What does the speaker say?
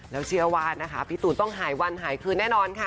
แล้วเชื่อว่านะคะพี่ตูนต้องหายวันหายคืนแน่นอนค่ะ